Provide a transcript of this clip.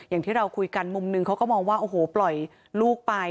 อย่างที่เราคุยกันมุมหนึ่งเขาก็มองว่าโอ้โหปล่อยลูกไป